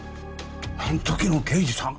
あん時の刑事さん！？